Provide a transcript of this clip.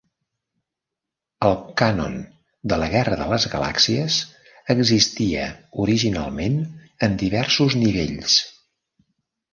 El canon de La guerra de les galàxies existia originalment en diversos nivells.